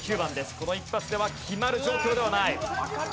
この一発では決まる状況ではない。